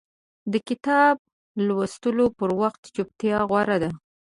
د کتاب لوستلو پر وخت چپتیا غوره ده.